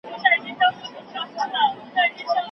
اوس هغي لمبې ته وزرونه بورا نه نیسي.